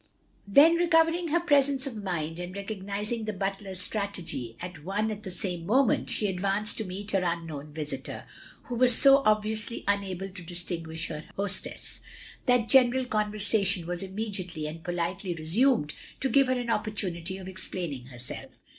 Then recovering her presence of mind, and recognising the butler's strategy at one and the same moment, she advanced to meet her unknown visitor, who was so obviously unable to distin guish her hostess, that general conversation was inmiediately and politely restmied, to give her an opportunity of explaining herself.